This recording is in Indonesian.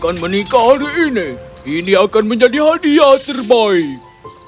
jangan menikah hari ini ini akan menjadi hadiah terbaik